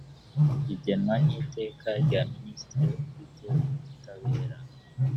bigenwa n iteka rya minisitiri ufite ubutabera